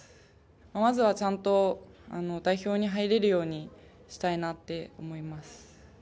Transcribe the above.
まずはちゃんと代表に入れるようにしたいなって思います。